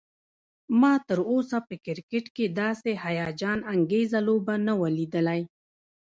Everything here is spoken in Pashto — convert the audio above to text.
ما تراوسه په کرکټ کې داسې هيجان انګیزه لوبه نه وه لیدلی